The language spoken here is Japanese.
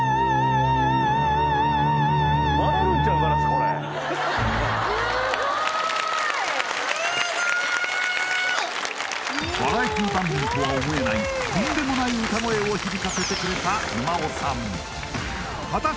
これバラエティ番組とは思えないとんでもない歌声を響かせてくれた沼尾さん